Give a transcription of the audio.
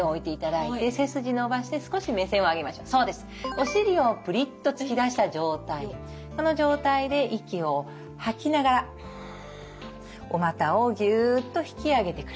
お尻をプリッと突き出した状態この状態で息を吐きながらフッおまたをギュッと引き上げてくる。